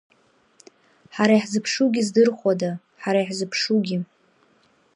Ҳара иаҳзыԥшугьы здырхуада, ҳара иаҳзыԥшугьы!